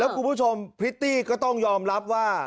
คุณผู้ชมพริตตี้ก็ต้องยอมรับว่า